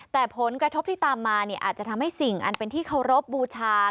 แต่ผลกระทบที่ตามมาเนี่ยอาจจะทำให้สิ่งอันเป็นที่เคารพบูชา